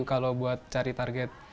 kalau buat cari target